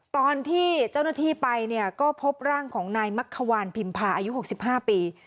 ตอนที่เจ้าหน้าที่ไปเนี่ยก็พบร่างของนายมักขวานพิมพาอายุ๖๕ปี